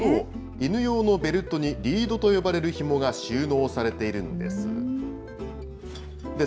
犬用のベルトにリードと呼ばれるひもが収納されているんです。